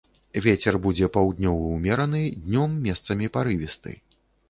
Вецер будзе паўднёвы ўмераны, днём месцамі парывісты.